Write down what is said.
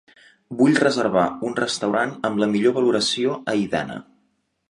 Vull reservar un restaurant amb la millor valoració a Idana.